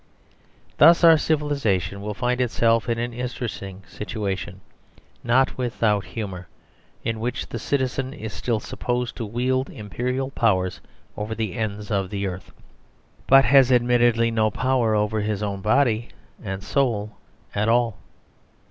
Thus our civilisation will find itself in an interesting situation, not without humour; in which the citizen is still supposed to wield imperial powers over the ends of the earth, but has admittedly no power over his own body and soul at all.